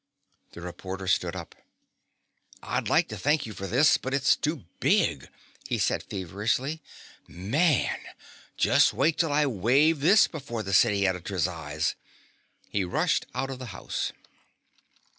The reporter stood up. "I'd like to thank you for this, but it's too big," he said feverishly. "Man, just wait till I wave this before the city editor's eyes!" He rushed out of the house.